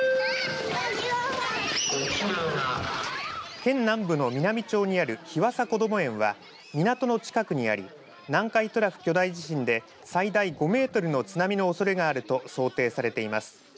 県南部の美波町にある日和佐こども園は港の近くにあり南海トラフ巨大地震で最大５メートルの津波のおそれがあると想定されています。